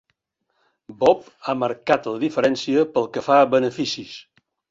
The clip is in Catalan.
Bob ha marcat la diferència pel que fa a beneficis.